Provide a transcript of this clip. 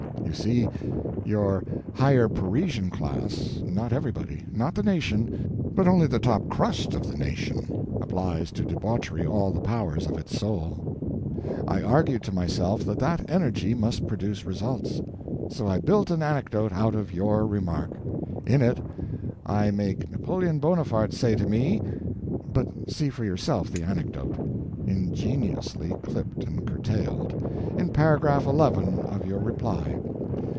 You see? Your "higher Parisian" class not everybody, not the nation, but only the top crust of the Nation applies to debauchery all the powers of its soul. I argued to myself that that energy must produce results. So I built an anecdote out of your remark. In it I make Napoleon Bonaparte say to me but see for yourself the anecdote (ingeniously clipped and curtailed) in paragraph eleven of your Reply.